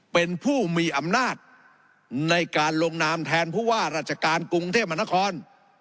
เป็นผู้มีอำนาจในการลงนามแทนผู้ว่าราชการกรุงเทพมหานคร